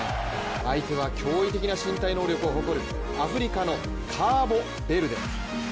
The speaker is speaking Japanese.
相手は驚異的な身体能力を誇るアフリカのカーボベルデ。